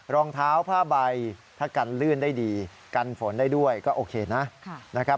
รองเท้าผ้าใบถ้ากันลื่นได้ดีกันฝนได้ด้วยก็โอเคนะครับ